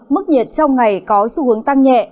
mức nhiệt trong ngày có xu hướng tăng nhẹ